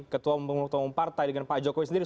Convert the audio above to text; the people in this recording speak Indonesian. ketua umum ketua umum partai dengan pak jokowi sendiri